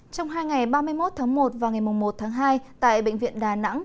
trong hai ngày ba mươi một tháng một và ngày một tháng hai tại bệnh viện đà nẵng